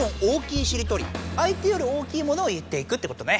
あい手より大きいものを言っていくということね。